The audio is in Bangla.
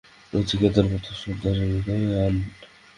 নচিকেতার মত শ্রদ্ধা হৃদয়ে আন।